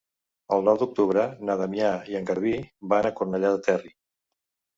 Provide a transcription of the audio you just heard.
El nou d'octubre na Damià i en Garbí van a Cornellà del Terri.